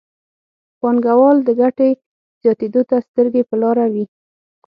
پانګوال د ګټې زیاتېدو ته سترګې په لاره وي.